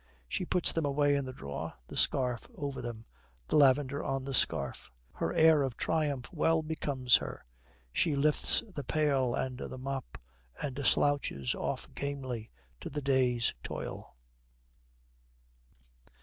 She puts them away in the drawer, the scarf over them, the lavender on the scarf. Her air of triumph well becomes her. She lifts the pail and the mop, and slouches off gamely to the day's toil.